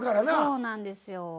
そうなんですよ。